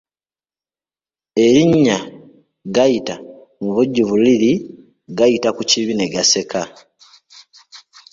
Erinnya Gayita mu bujjuvu liri Gayita ku kibi ne gaseka.